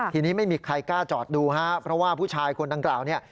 ทีนี้ไม่มีใครกล้าจอดดูฮะเพราะว่าผู้ชายคนดังกล่าวเนี่ย